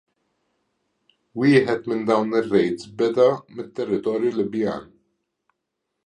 Wieħed minn dawn ir-rejds beda mit-territorju Libjan.